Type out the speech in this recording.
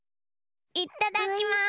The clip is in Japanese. いっただきます！